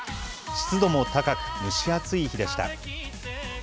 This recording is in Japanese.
湿度も高く、蒸し暑い日でした。